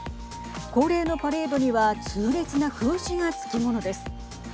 恒例のパレードには痛烈な風刺がつきものです。